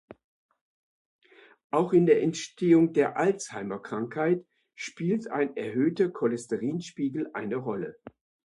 Auch in der Entstehung der Alzheimerkrankheit spielt ein erhöhter Cholesterinspiegel eine Rolle.